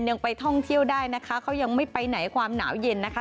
ยังไปท่องเที่ยวได้นะคะเขายังไม่ไปไหนความหนาวเย็นนะคะ